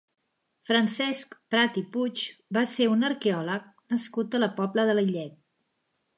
Francesc Prat i Puig va ser un arqueòleg nascut a la Pobla de Lillet.